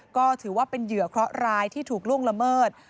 ก็ถือว่าเป็นเหยื่อเคราะหร้ายที่ถูกล่วงละเมิด